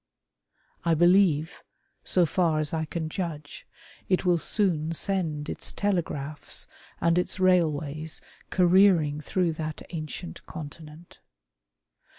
I believe, so far as I can judge, it will soon send its telegraphs and its railways careering through that ancient Continent.